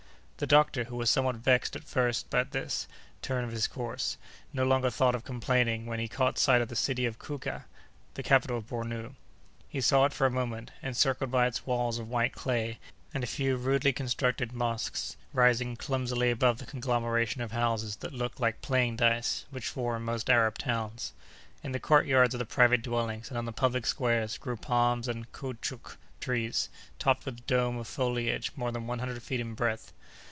The doctor, who was somewhat vexed at first at this turn of his course, no longer thought of complaining when he caught sight of the city of Kouka, the capital of Bornou. He saw it for a moment, encircled by its walls of white clay, and a few rudely constructed mosques rising clumsily above that conglomeration of houses that look like playing dice, which form most Arab towns. In the court yards of the private dwellings, and on the public squares, grew palms and caoutchouc trees topped with a dome of foliage more than one hundred feet in breadth.